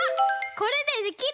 これでできる！